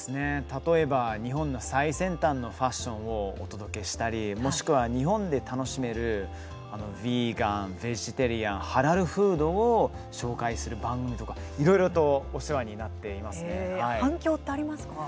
例えば日本の最先端のファッションをお届けしたりもしくは日本で楽しめるビーガンベジタリアン、ハラルフードを紹介する番組とか、いろいろとお世話になっていますね。